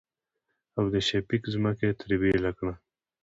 او د شفيق ځمکه يې ترې بيله کړه.